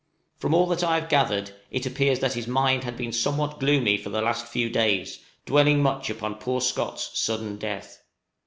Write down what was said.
From all that I have gathered, it appears that his mind had been somewhat gloomy for the last few days, dwelling much upon poor Scott's sudden death.